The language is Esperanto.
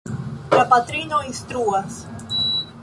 La patrino instruas.